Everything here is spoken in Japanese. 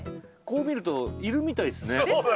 こう見るといるみたい。ですね。